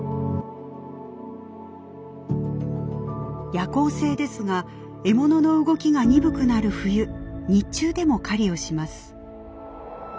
夜行性ですが獲物の動きが鈍くなる冬日中でも狩りをします。